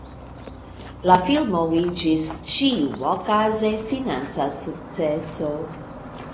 La filmo iĝis ĉiuokaze financa sukceso.